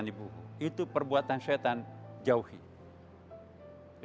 allah pun memperlakukan manusia itu sangat manusiawi